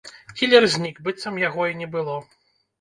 Кілер знік, быццам яго і не было.